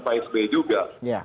pak sbe juga